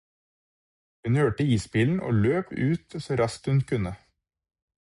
Hun hørte isbilen og løp ut så raskt hun kunne